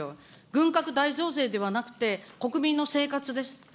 軍拡大増税ではなくて、国民の生活です。